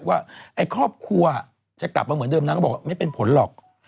ว่าไอ้ครอบครัวจะกลับมาเหมือนเดิมนางก็บอกว่าไม่เป็นผลหรอก